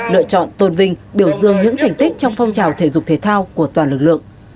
lựa chọn tôn vinh biểu dương những thành tích trong phong trào thể dục thể thao của toàn lực lượng